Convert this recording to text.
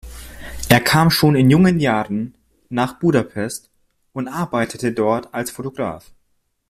Er kam schon in jungen Jahren nach Budapest und arbeitete dort als Fotograf.